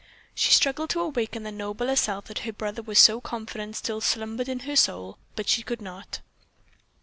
She struggled to awaken the nobler self that her brother was so confident still slumbered in her soul, but she could not.